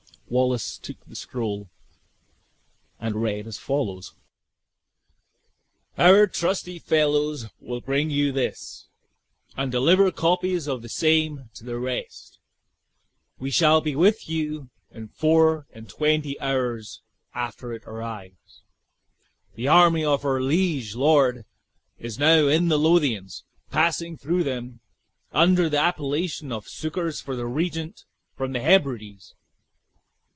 Wallace took the scroll, and read as follows: "Our trusty fellows will bring you this, and deliver copies of the same to the rest. We shall be with you in four and twenty hours after it arrives. The army of our liege lord is now in the Lothians, passing through them under the appellation of succors for the regent from the Hebrides!